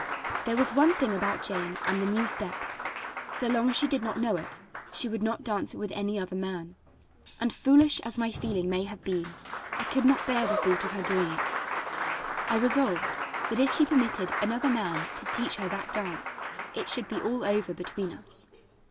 There was one thing about Jane and the new step: so long as she did not know it, she would not dance it with any other man, and foolish as my feeling may have been, I could not bear the thought of her doing it. I resolved that if she permitted another man to teach her that dance it should be all over between us.